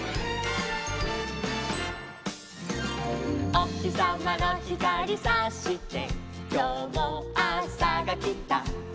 「おひさまのひかりさしてきょうもあさがきた」